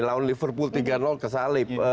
lawan liverpool tiga kesalip